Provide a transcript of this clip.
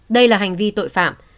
đây là hành vi tội phạm